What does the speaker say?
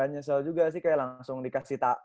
nyesel juga sih kayak langsung dikasih